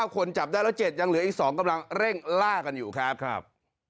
คนจับได้แล้ว๗ยังเหลืออีก๒กำลังเร่งล่ากันอยู่ครับ